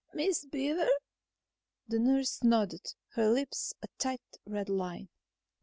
"Miss Beaver...?" The nurse nodded, her lips a tight red line.